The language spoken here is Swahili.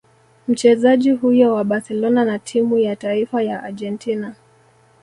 Mchezaji huyo wa Barcelona na timu ya taifa ya Argentina